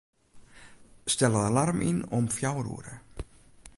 Stel alarm yn om fjouwer oere.